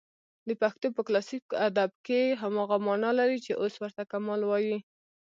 د پښتو په کلاسیک ادب کښي هماغه مانا لري، چي اوس ورته کمال وايي.